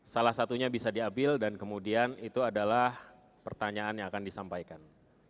salah satunya bisa diambil dan kemudian itu adalah pertanyaan yang akan disampaikan